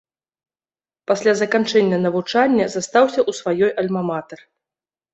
Пасля заканчэння навучання застаўся ў сваёй альма-матэр.